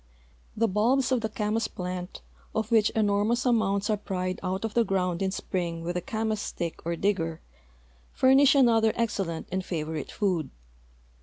The bulbs of the camas plant, of which enormous amounts are pried out of the ground in spring with a camas stick or digger, furnish another excellent and favorite food.